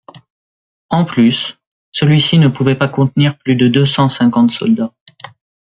En plus, celui-ci ne pouvait pas contenir plus de deux cent cinquante soldats.